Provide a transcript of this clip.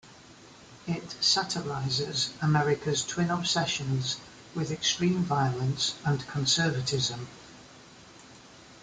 It satirizes America's twin obsessions with extreme violence and conservatism.